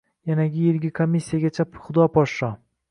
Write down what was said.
Yanagi yilgi komissiyagacha Xudo poshsho?